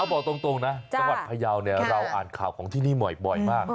บอกตรงนะจังหวัดพยาวเราอ่านข่าวของที่นี่บ่อยมาก